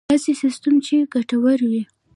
داسې سیستم چې ګټور وي.